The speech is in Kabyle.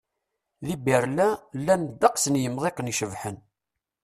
Di Berlin, llan ddeqs n yemḍiqen icebḥen.